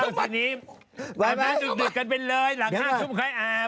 เอาทีนี้อาบน้ำดึกกันเป็นเลยหลังห้างทุกคนค่อยอาบ